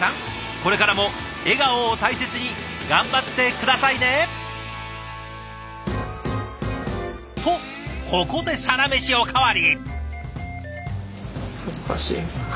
これからも笑顔を大切に頑張って下さいね！とここでサラメシおかわり！